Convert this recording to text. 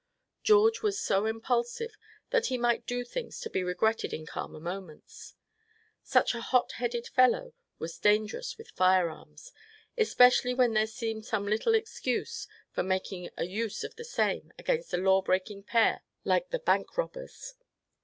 George was so impulsive that he might do things to be regretted in calmer moments. Such a hot headed fellow was dangerous with firearms, especially when there seemed some little excuse for making a use of the same against a law breaking pair like the bank robbers.